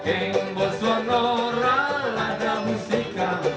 eng bos warna rara dan musika